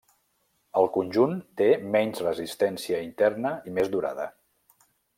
El conjunt té menys resistència interna i més durada.